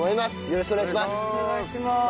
よろしくお願いします。